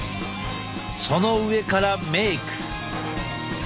その上からメーク。